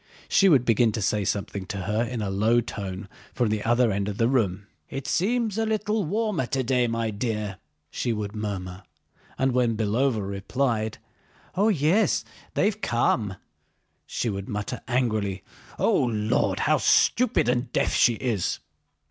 She would begin to say something to her in a low tone from the other end of the room. "It seems a little warmer today, my dear," she would murmur. And when Belóva replied: "Oh yes, they've come," she would mutter angrily: "O Lord! How stupid and deaf she is!"